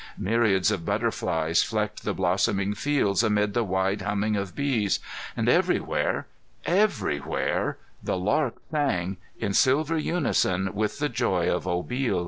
Myriads of butterflies flecked the blossoming fields amid the wide humming of bees, and everywhere everywhere the larks sang, in silver unison with the joy of Obil.